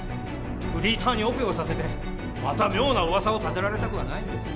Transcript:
フリーターにオペをさせてまた妙なうわさを立てられたくはないんです。